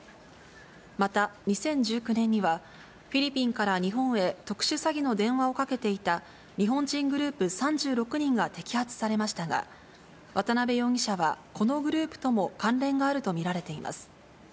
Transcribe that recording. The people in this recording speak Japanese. また、２０１９年には、フィリピンから日本へ特殊詐欺の電話をかけていた日本人グループ３６人が摘発されましたが、渡辺容疑者はこのグループとも関連があると見られています。